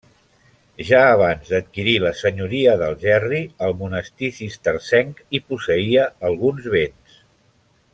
Ja abans d’adquirir la senyoria d’Algerri, el monestir cistercenc hi posseïa alguns béns.